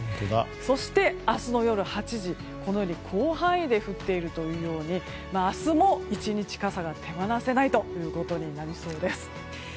そして、明日の夜８時このように広範囲で降っているというように明日も１日傘が手放せないことになりそうです。